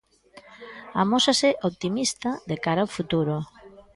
Amósase optimista, de cara ao futuro.